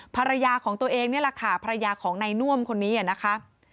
ภรรยาของตัวเองนี่แหละค่ะภรรยาของนายน่วมคนนี้นะคะ